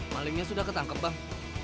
maliknya sudah ketangkep bang